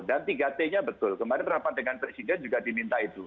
dan tiga t nya betul kemarin terdapat dengan presiden juga diminta itu